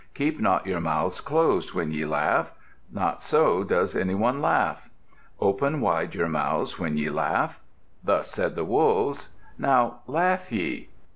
Keep not your mouths closed when ye laugh. Not so does any one laugh. Open wide your mouths when ye laugh." Thus said the Wolves. "Now, laugh ye!"